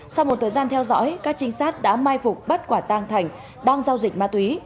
sau một thời gian theo dõi các trinh sát đã mai phục bắt quả tang thành đang giao dịch ma túy